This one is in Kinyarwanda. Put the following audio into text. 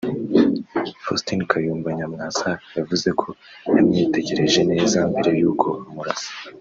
Faustin Kayumba Nyamwasa yavuze ko yamwitegereje neza mbere y’uko amurasa